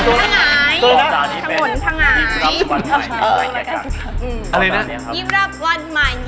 ยิบรับวัดหมายยิ้มให้แกงกัน